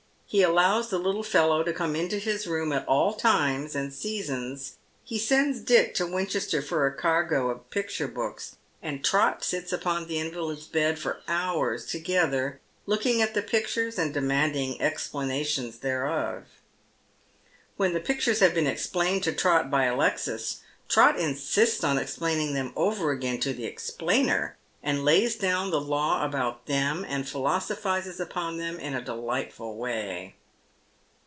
He allows the little fellow to come into his room at all times and seasons, he sends Dick to Winchester for a cargo of picture books, and Trot sits upon the invalid's bed for hours together looking at the pictures, and demanding explanations thereof. When the pictures have been explained to Trot by Alexis, Trot insists on explaining them over again to the explainer, and lays down the law about them and philosophises upon them in a delightful way.